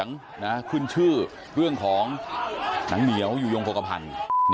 ขึ้นชื่อเรื่องของหนังเหนียวอยู่ยงโภคภัณฑ์